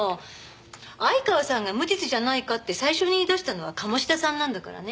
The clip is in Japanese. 相川さんが無実じゃないかって最初に言い出したのは鴨志田さんなんだからね。